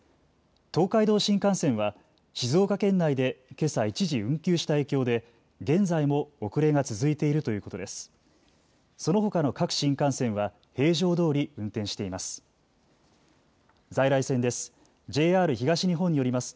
東海道新幹線は静岡県内でけさ一時、運休した影響で現在も遅れが続いているということです。